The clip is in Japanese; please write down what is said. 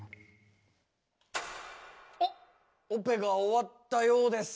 あっオペが終わったようです。